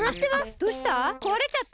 どうした？